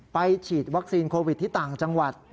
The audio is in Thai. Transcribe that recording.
ฉีดวัคซีนโควิดที่ต่างจังหวัด